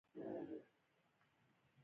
هغه د پلاستیکي راکټ په لور اشاره وکړه